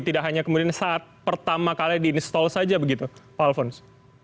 tidak hanya kemudian saat pertama kali di install saja begitu pak alfons